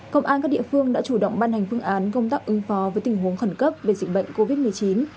công an các địa phương đã chủ động ban hành phương án công tác ứng phó với tình huống khẩn cấp về dịch bệnh covid một mươi chín